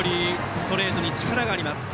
ストレートに力があります。